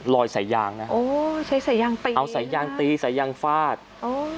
สายยางนะโอ้ใช้สายยางตีเอาสายยางตีสายยางฟาดโอ้